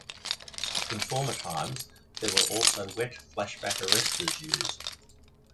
In former times there were also wet flashback arrestors used.